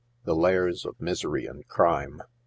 THE LAIRS OF MISERY AND CRIME.